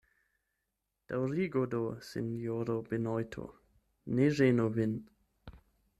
Daŭrigu do, sinjoro Benojto; ne ĝenu vin.